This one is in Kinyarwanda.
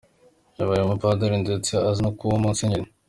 Yabaye umupadiri ndetse aza no kuba kuba Musenyeri.